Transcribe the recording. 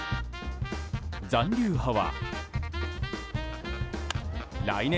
残留派は。